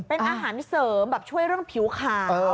เป็นอาหารเสริมแบบช่วยเรื่องผิวขาว